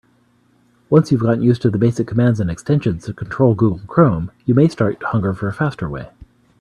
Once you've gotten used to the basic commands and extensions to control Google Chrome, you may start to hunger for a faster way.